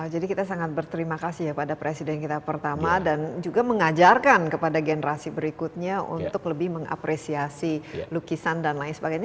jadi kita sangat berterima kasih ya pada presiden kita pertama dan juga mengajarkan kepada generasi berikutnya untuk lebih mengapresiasi lukisan dan lain sebagainya